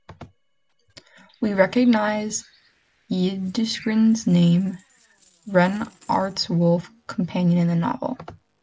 We recognize d’Ysengrin’s name, Renart’s wolf companion in the novel.